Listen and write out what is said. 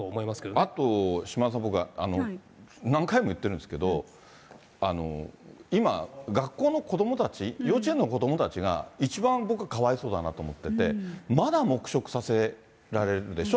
あと島田さん、僕は何回も言ってるんですけれども、今、学校の子どもたち、幼稚園の子どもたちが一番僕はかわいそうだなと思ってて、まだ黙食させられてるでしょ。